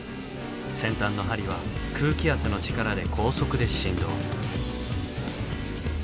先端の針は空気圧の力で高速で振動。